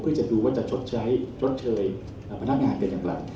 เพื่อจะดูว่าจะชดใช้ชดเชยพนักงานกันอย่างไร